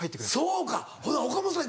そうかほな岡本さん